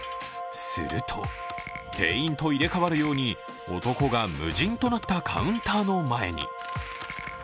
すると、店員と入れ代わるように男が無人となったカウンターの前に。